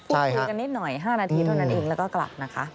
คุยกันนิดหน่อย๕นาทีเท่านั้นเองแล้วก็กลับนะคะ